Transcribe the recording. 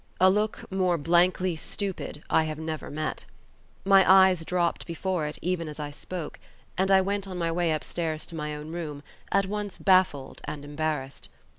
A look more blankly stupid I have never met. My eyes dropped before it even as I spoke, and I went on my way upstairs to my own room, at once baffled and embarrassed.